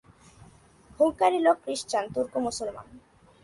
হুঙ্গারির লোক Christian, Turk মুসলমান।